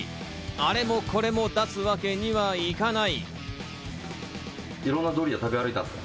あれもこれも出すわけにはいかない。